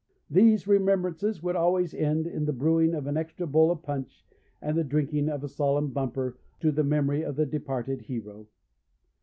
These remembrances would always end in the brewing of an extra bowl of punch, and the drinking of a solemn bumper to the memory of the departed hero.